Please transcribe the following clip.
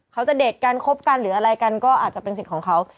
เขาจะเด็กกันคบกันหรืออะไรกันก็อาจจะเป็นสิทธิ์ของเขา